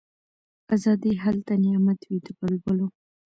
آزادي هلته نعمت وي د بلبلو